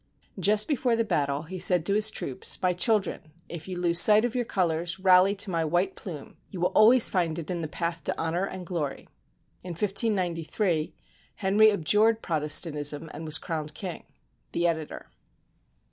Just before the battle, he said to his troops, "My children, if you lose sight of your colors, rally to my white plume — you will always find it in the path to honor and glory." In 1593, Henry abjured Protestantism and was crowned king. The Editor.